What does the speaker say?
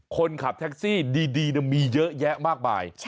คนขับแท็กซี่ดีมีเยอะแยะมากมาย